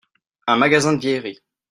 un magazin de vieilleries.